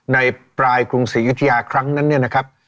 ในปลายกรุงศรียุธยาครั้งนั้นเนี่ยนะครับ